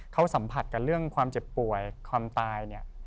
เขาสัมผัสกับเรื่องความเจ็บป่วยความตายเนี่ย